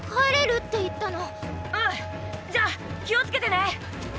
うん！じゃ気を付けてね！